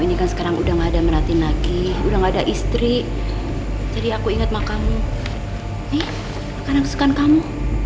nih makanan kesukaan kamu